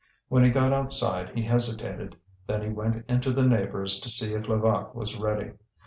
When he got outside he hesitated, then he went into the neighbours' to see if Levaque was ready.